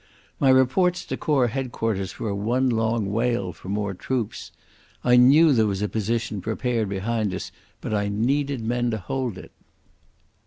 My reports to Corps Headquarters were one long wail for more troops. I knew there was a position prepared behind us, but I needed men to hold it.